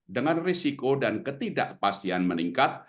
dengan risiko dan ketidakpastian meningkat